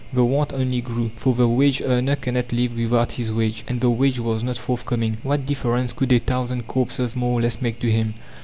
The want only grew. For the wage earner cannot live without his wage, and the wage was not forthcoming. What difference could a thousand corpses more or less make to him?